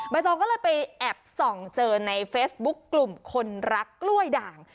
ตองก็เลยไปแอบส่องเจอในเฟซบุ๊คกลุ่มคนรักกล้วยด่าง